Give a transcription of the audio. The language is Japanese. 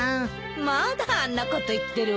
まだあんなこと言ってるわ。